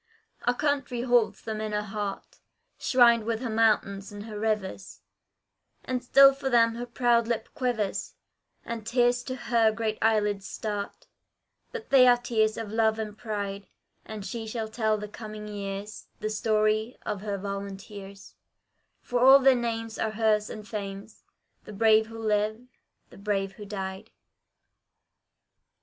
Our Country holds them in her heart, Shrined with her mountains and her rivers; And still for them her proud lip quivers, And tears to her great eyelids start: But they are tears of love and pride, And she shall tell to coming years The story of her Volunteers, For all their names are hers and fame's The brave who live, the brave who died.